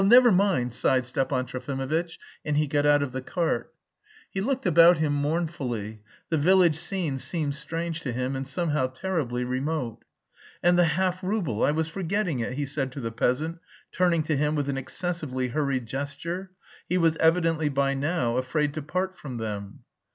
never mind," sighed Stepan Trofimovitch, and he got out of the cart. He looked about him mournfully; the village scene seemed strange to him and somehow terribly remote. "And the half rouble, I was forgetting it!" he said to the peasant, turning to him with an excessively hurried gesture; he was evidently by now afraid to part from them.